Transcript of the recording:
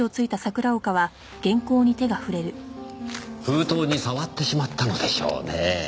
封筒に触ってしまったのでしょうねぇ。